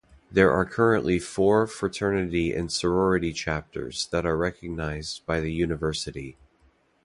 There are currently four fraternity and sorority chapters that are recognized by the university.